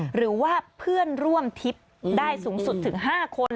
หรือว่าเพื่อนร่วมทิพย์ได้สูงสุดถึง๕คน